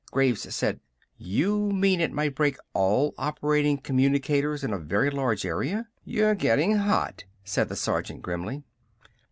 Graves said: "You mean it might break all operating communicators in a very large area?" "You're gettin' hot," said the sergeant grimly.